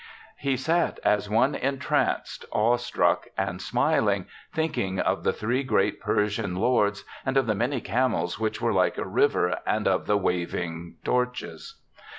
He sat as one entranced, awestruck and smiling, thinking of the three great Persian lords, and of the many camels which were like a river, and of the waving torches.